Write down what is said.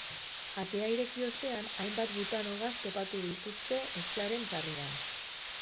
Atea ireki ostean, hainbat butano gas topatu dituzten etxearen sarreran.